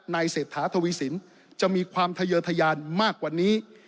เศรษฐาทวีสินจะมีความทะเยอร์ทะยานมากกว่านี้